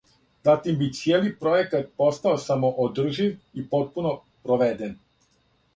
Затим би цијели пројекат постао самоодржив и потпуно проведен.